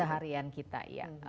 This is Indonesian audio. keseharian kita iya